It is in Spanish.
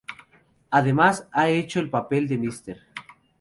Además ha hecho el papel de Mr.